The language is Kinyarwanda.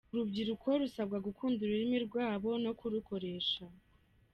Urubyiruko rurasabwa gukunda ururimi rwabo no kurukoresha